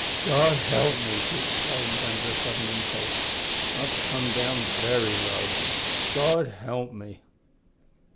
"God help me!" he exclaimed, under a sudden impulse, "I've come down very low, God help me!"